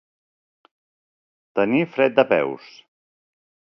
Tenir fred de peus.